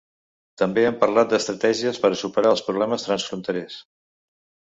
També han parlat d’estratègies per a superar els problemes transfronterers.